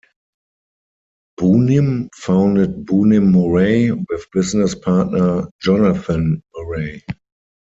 Bunim founded Bunim-Murray with business partner Jonathan Murray.